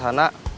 takut gak habis